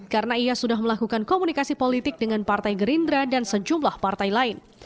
karena ia sudah melakukan komunikasi politik dengan partai gerindra dan sejumlah partai lain